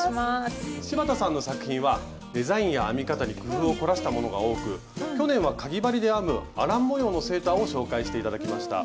柴田さんの作品はデザインや編み方に工夫を凝らしたものが多く去年はかぎ針で編むアラン模様のセーターを紹介して頂きました。